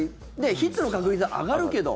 ヒットの確率は上がるけど。